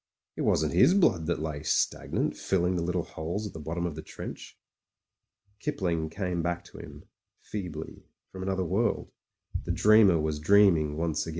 It wasn't his blood that lay stagnant, filling the little holes at the bottom of the trench. ... Kipling came back to him — feebly, from another world. The dreamer was dreaming once again.